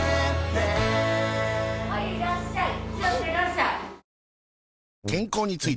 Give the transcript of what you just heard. はいいらっしゃい。